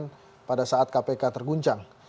yang pada saat kpk terguncang